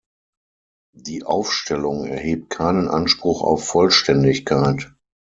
Die Aufstellung erhebt keinen Anspruch auf Vollständigkeit.